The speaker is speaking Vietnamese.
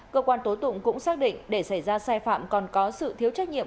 cơ quan tố tụng cũng xác định để xảy ra sai phạm còn có sự thiếu trách nhiệm